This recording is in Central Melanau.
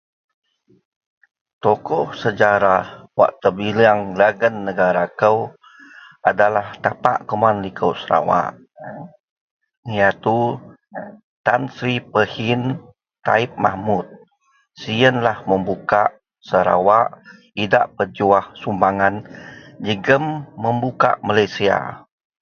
Tokoh sejarah wak tebileang dagen negara kou adalah tapak kuman liko Sarawak ia to Tan Sri Pehin Taib Mahmud siyenlah membukak Sarawak idak pejuwah sumbangan jegem membuka malaysia.